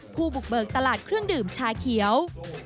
ผู้บุกเบิกตลาดเครื่องดื่มชาเขียว